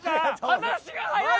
話が早い！